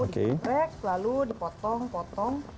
digeprek lalu dipotong potong